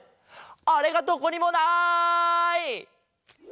あれがどこにもない！